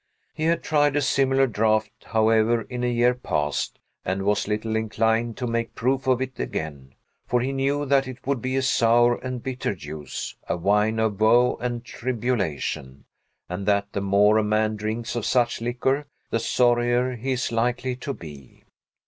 He had tried a similar draught, however, in years past, and was little inclined to make proof of it again; for he knew that it would be a sour and bitter juice, a wine of woe and tribulation, and that the more a man drinks of such liquor, the sorrier he is likely to be.